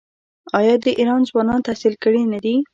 آیا د ایران ځوانان تحصیل کړي نه دي؟